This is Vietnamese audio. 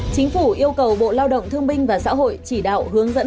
chính phủ yêu cầu bộ lao động thương binh và xã hội chỉ đạo hướng dẫn